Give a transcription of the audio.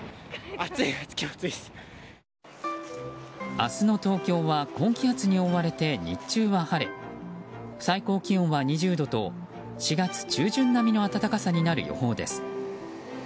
明日の東京は高気圧に覆われて日中は晴れ、最高気温は２０度と４月中旬並みの暖かさになる予報です。